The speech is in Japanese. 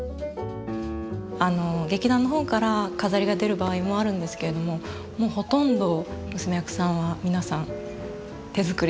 劇団のほうから飾りが出る場合もあるんですけれどももうほとんど娘役さんは皆さん手作りで。